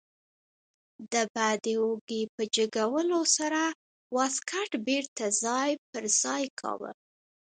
ده به د اوږې په جګولو سره واسکټ بیرته ځای پر ځای کاوه.